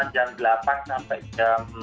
jam delapan sampai jam